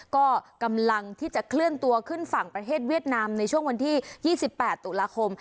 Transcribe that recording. ก็กำลังที่จะเคลื่อนตัวขึ้นฝั่งประเทศเวียดนามในช่วงวันที่๒๘ตุลาคม